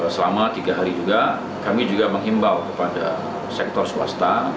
selama tiga hari juga kami juga menghimbau kepada sektor swasta